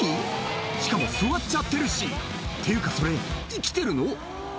しかも座っちゃってるしっていうかそれ生きてるの？